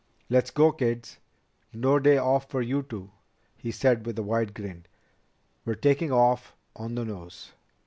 "Let's go, kids. No day off for you two," he said with a wide grin. "We're taking off on the nose.